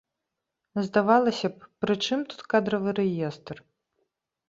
Здавалася б, пры чым тут кадравы рэестр?